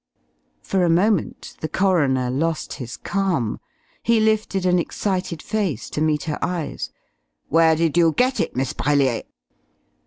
For a moment the coroner lost his calm. He lifted an excited face to meet her eyes, "Where did you get it, Miss Brellier?"